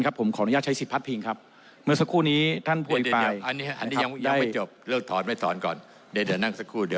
ครับเชิญครับคุณนทุศครับ